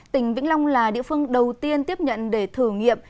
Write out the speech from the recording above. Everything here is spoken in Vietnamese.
tỉnh vĩnh long là địa phương đầu tiên tiếp nhận để thử nghiệm